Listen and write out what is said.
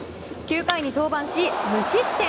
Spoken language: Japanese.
９回に登板し、無失点！